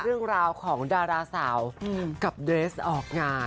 เรื่องราวของดาราสาวกับเดรสออกงาน